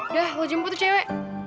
dah lo jemput tuh cewe